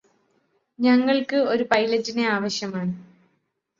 ഞങ്ങള്ക്ക് ഒരു പൈലറ്റിനെ ആവശ്യമാണ്